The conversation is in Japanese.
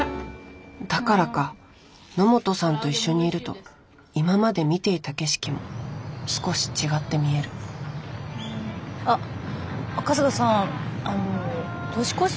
だからか野本さんと一緒にいると今まで見ていた景色も少し違って見えるあ春日さんあの年越しそばってどうします？